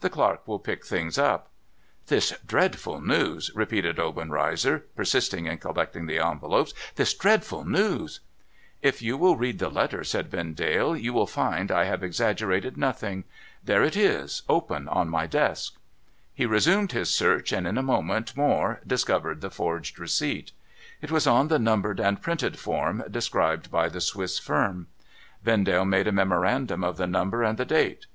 The clerk will pick the things up.' ' This dreadful news !' repeated Obenreizer, persisting in collect ing the envelopes. ' This dreadful news !'* If you will read the letter,' said Vendale, ' you will find I have exaggerated nothing. There it is, open on my desk.' He resumed his search, and in a moment more discovered the forged receipt. It was on the numbered and printed form, described by the Swiss firm. Vendale made a memorandum of the number and the date.